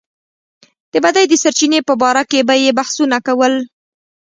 د بدۍ د سرچينې په باره کې به يې بحثونه کول.